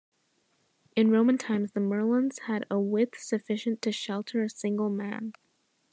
In Roman times, the merlons had a width sufficient to shelter a single man.